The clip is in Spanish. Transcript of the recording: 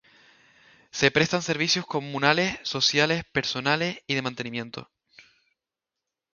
Se prestan servicios comunales, sociales, personales y de mantenimiento.